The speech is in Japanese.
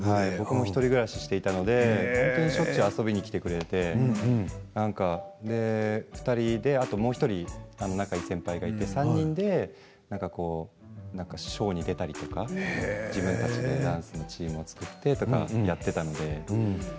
１人暮らしをしていたのでしょっちゅう遊びに来てくれて２人で、あともう１人仲いい先輩がいて３人でショーに出たりとか自分たちでダンスのチームを作ってとかやっていたので。